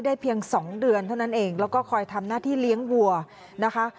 เพียงสองเดือนเท่านั้นเองแล้วก็คอยทำหน้าที่เลี้ยงวัวนะคะ